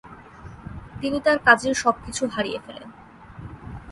তিনি তার কাজের সবকিছু হারিয়ে ফেলেন।